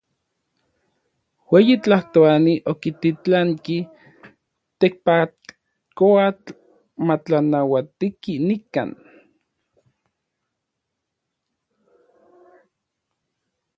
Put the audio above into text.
Ueyi Tlajtoani okititlanki Tekpatkoatl matlanauatiki nikan.